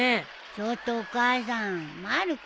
ちょっとお母さんまる子